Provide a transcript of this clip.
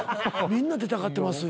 「みんな出たがってます」